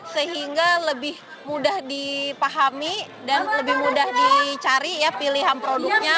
sehingga lebih mudah dipahami dan lebih mudah dicari ya pilihan produknya